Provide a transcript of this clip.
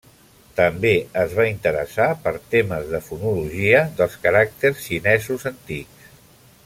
També es va interessar per temes de fonologia dels caràcters xinesos antics.